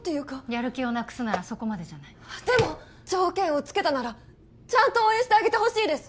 やる気をなくすならそこまでじゃないでも条件をつけたならちゃんと応援してあげてほしいです